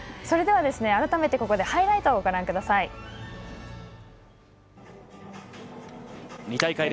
それでは、改めてハイライトをご覧ください。